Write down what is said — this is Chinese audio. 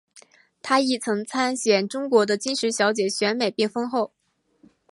她亦曾参选中国的金石小姐选美并封后。